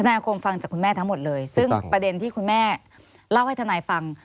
อาคมฟังจากคุณแม่ทั้งหมดเลยซึ่งประเด็นที่คุณแม่เล่าให้ทนายฟัง